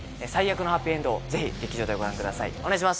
最悪のハッピーエンドをぜひ劇場でご覧ください。